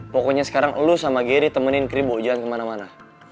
pokoknya sekarang lu sama geri temenin kribo jangan kemana mana